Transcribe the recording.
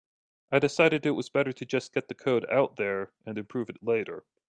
I decided it was better to just get the code out there and improve it later.